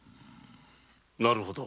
なるほど。